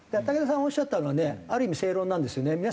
だから竹田さんおっしゃったのはねある意味正論なんですよね。